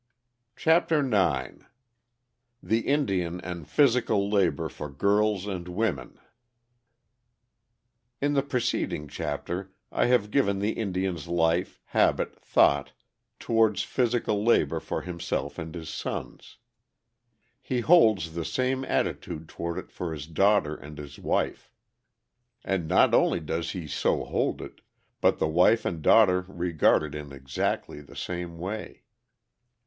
] CHAPTER IX THE INDIAN AND PHYSICAL LABOR FOR GIRLS AND WOMEN In the preceding chapter I have given the Indian's life, habit, thought, towards physical labor for himself and his sons. He holds the same attitude toward it for his daughter and his wife. And not only does he so hold it, but the wife and daughter regard it in exactly the same way.